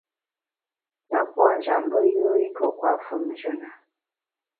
A puâ’ njap mbe yùe i ntuo kwet famnjù na.